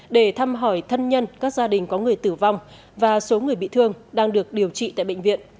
để thăm hỏi thân nhân các gia đình có người tử vong và số người bị thương đang được điều trị tại bệnh viện